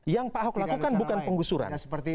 yang pak ahok lakukan bukan penggusuran